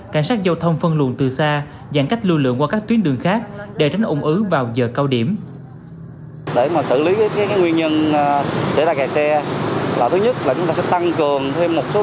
cảnh sát giao thông phân luồng từ xa giãn cách lưu lượng qua các tuyến đường khác để tránh ủng ứ vào giờ cao điểm